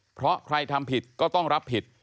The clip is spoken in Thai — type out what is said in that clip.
เพราะใครทำผิดก็ต้องรับผิด